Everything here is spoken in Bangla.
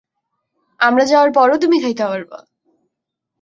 আমরা যাওয়ার পরও তুমি খাইতে পারবা।